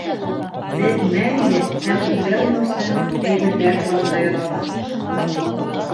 Беҙ мәңге һәм үҙгәрмәүсән әйберҙәр тураһында яҙабыҙ.